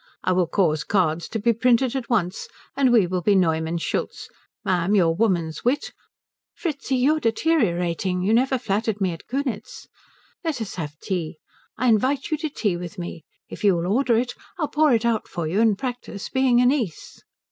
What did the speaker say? "I will cause cards to be printed at once, and we will be Neumann Schultz. Ma'am, your woman's wit " "Fritzi, you're deteriorating you never flattered me at Kunitz. Let us have tea. I invite you to tea with me. If you'll order it, I'll pour it out for you and practice being a niece."